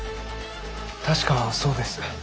確かそうです。